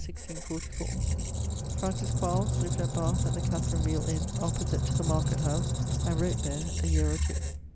Francis Quarles, lived at Bath at the Katherine wheele inne (opposite to the market house), and wrote there, a yeare or two.